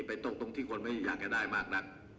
ไปตรงที่คนไม่อยู่อย่างให้ได้มากนัก